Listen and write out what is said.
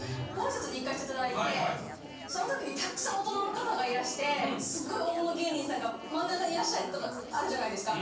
その時にたくさん大人の方がいらしてすっごい大物芸人さんが真ん中にいらっしゃるとかあるじゃないですか。